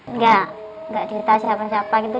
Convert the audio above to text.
enggak enggak cerita siapa siapa gitu